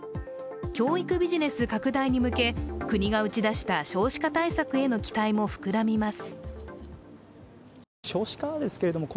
教育ビジネス拡大に向け国が打ちだした少子化対策への期待も膨らみます。